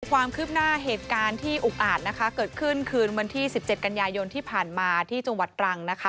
ความคืบหน้าเหตุการณ์ที่อุกอาจนะคะเกิดขึ้นคืนวันที่๑๗กันยายนที่ผ่านมาที่จังหวัดตรังนะคะ